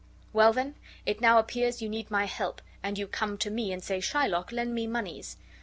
Well, then, it now appears you need my help, and you come to me and say, 'Shylock, lend me moneys.